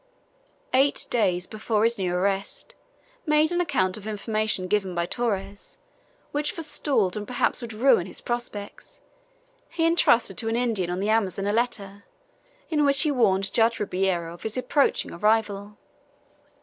Eight days before his new arrest, made on account of information given by Torres, which forestalled and perhaps would ruin his prospects, he intrusted to an Indian on the Amazon a letter, in which he warned Judge Ribeiro of his approaching arrival.